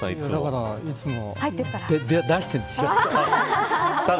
いつも出してるんですよ。